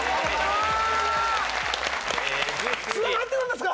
つながってるんですか？